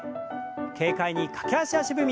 軽快に駆け足足踏み。